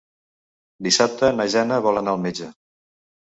Dissabte na Jana vol anar al metge.